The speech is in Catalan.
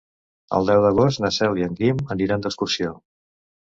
El deu d'agost na Cel i en Guim aniran d'excursió.